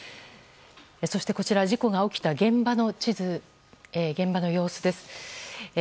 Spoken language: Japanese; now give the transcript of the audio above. そしてこちら事故が起きた現場の様子です。